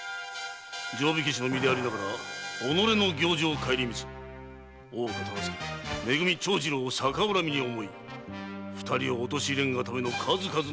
定火消しの身でありながら己の行状を省みず大岡忠相め組・長次郎を逆恨みに思い二人を陥れんがための数々の悪行